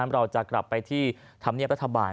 เราจะกลับไปที่ธรรมเนียบรัฐบาล